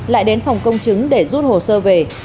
lại đến phòng công chứng để rút hồ sơ về